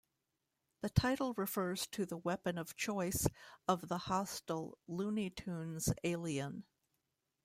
The title refers to the weapon of choice of the hostile Looney Tunes alien.